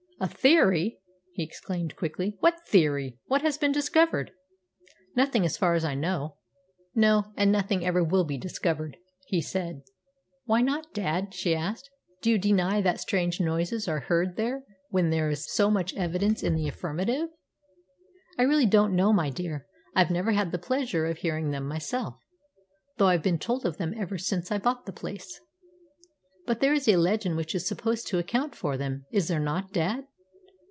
"A theory!" he exclaimed quickly. "What theory? What has been discovered?" "Nothing, as far as I know." "No, and nothing ever will be discovered," he said. "Why not, dad?" she asked. "Do you deny that strange noises are heard there when there is so much evidence in the affirmative?" "I really don't know, my dear. I've never had the pleasure of hearing them myself, though I've been told of them ever since I bought the place." "But there is a legend which is supposed to account for them, is there not, dad?